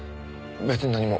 別に何も。